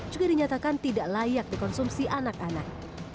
juga dinyatakan tidak layak dikonsumsi anak anak